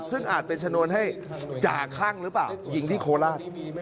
ซึ่งอาจเป็นชนวนให้จ่าคลั่งหรือเปล่ายิงที่โคราช